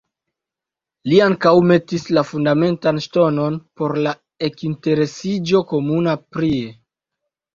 Li ankaŭ metis la fundamentan ŝtonon por la ekinsteresiĝo komuna prie.